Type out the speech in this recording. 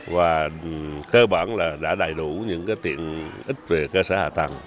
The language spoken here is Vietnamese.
và cơ bản là đã đầy đủ những tiện ích về cơ sở hạ tầng